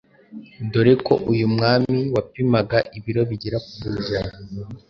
dore ko uyu mwami wapimaga ibiro bigera ku kujana